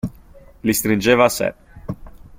Li stringeva a sé.